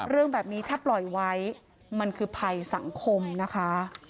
เรื่องแบบนี้ถ้าปล่อยไว้มันคือภัยสังคมนะคะ